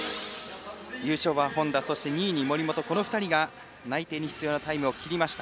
優勝は本多そして、２位に森本この２人が内定に必要なタイムを切りました。